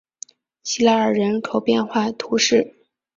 西拉尔人口变化图示